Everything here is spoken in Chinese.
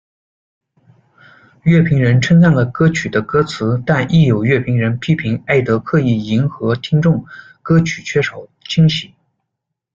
乐评人称赞了歌曲的歌词，但亦有乐评人批评艾德刻意迎合听众、歌曲缺少惊喜。